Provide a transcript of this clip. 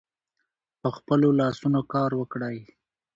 په خپلو لاسونو کار وکړئ.